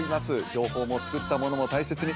情報も作ったものも大切に。